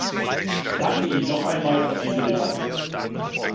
Ich danke Ihnen noch einmal für diese Debatte.